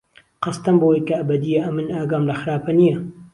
قهستەم بهوهی که ئهبهدییه ئەمن ئاگام له خراپه نبيه